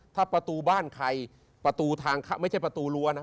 ถ้าประตูบ้านใครประตูทางไม่ใช่ประตูรั้วนะ